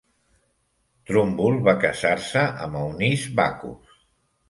Trumbull va casar-se amb Eunice Backus.